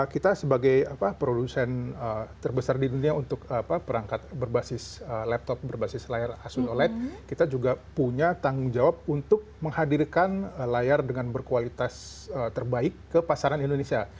kita sebagai produsen terbesar di dunia untuk perangkat berbasis laptop berbasis layar aswit oled kita juga punya tanggung jawab untuk menghadirkan layar dengan berkualitas terbaik ke pasaran indonesia